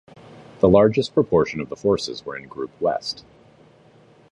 The largest proportion of the forces were in Group West.